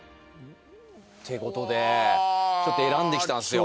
ってことで選んできたんすよ